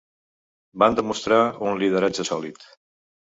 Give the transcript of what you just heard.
Van demostrar un lideratge sòlid.